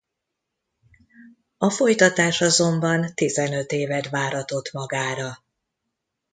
A folytatás azonban tizenöt évet váratott magára.